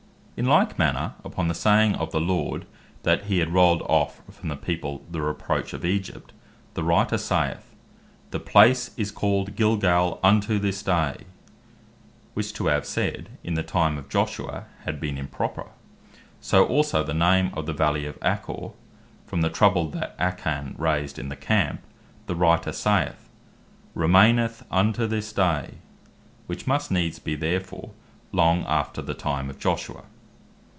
In like manner, upon the saying of the Lord, that he had rolled off from the people the Reproach of Egypt, the Writer saith, "The place is called Gilgal unto this day;" which to have said in the time of Joshua had been improper. So also the name of the Valley of Achor, from the trouble that Achan raised in the Camp, (Josh. 7. 26) the Writer saith, "remaineth unto this day;" which must needs bee therefore long after the time of Joshua.